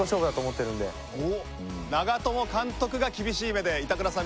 長友監督が厳しい目で板倉さん見てますよ。